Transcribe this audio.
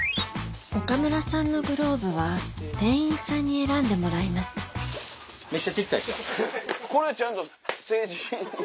岡村さんのグローブは店員さんに選んでもらいますこれちゃんと成人の。